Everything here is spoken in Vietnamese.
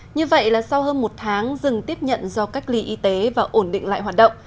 như vậy là sau hơn một tháng dừng tiếp nhận do cách ly y tế và ổn định lại hoạt động